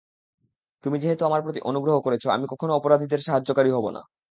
তুমি যেহেতু আমার প্রতি অনুগ্রহ করেছ আমি কখনও অপরাধীদের সাহায্যকারী হব না।